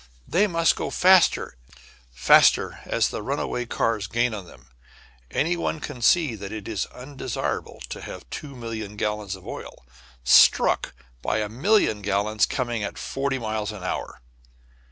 They must go faster, faster as the runaway cars gain on them. Any one can see that it is undesirable to have two million gallons of oil struck by a million gallons coming at forty miles an hour.